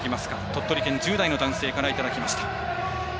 鳥取県の１０代の男性からいただきました。